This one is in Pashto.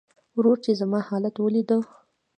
ورور چې زما حالت وليده .